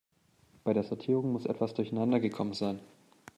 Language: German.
Bei der Sortierung muss etwas durcheinander gekommen sein.